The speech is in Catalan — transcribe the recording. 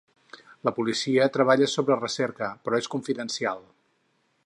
La policia treballa sobre recerca, però és confidencial.